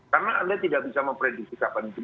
karena anda tidak bisa memprediksi kapan itu